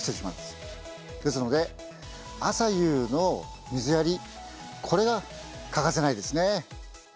ですので朝夕の水やりこれが欠かせないですね。